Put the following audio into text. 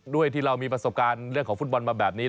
ที่เรามีประสบการณ์เรื่องของฟุตบอลมาแบบนี้